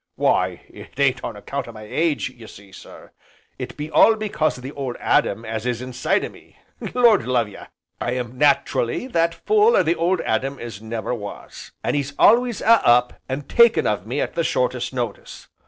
"Why, it ain't on account o' my age, ye see sir, it be all because o' the Old Adam as is inside o' me. Lord love ye! I am nat'rally that full o' the 'Old Adam' as never was. An' 'e's alway a up an' taking of me at the shortest notice.